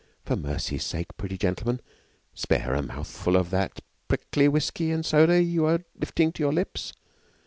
For mercy's sake, pretty gentleman, spare a mouthful of that prickly whisky and soda you are lifting to your lips.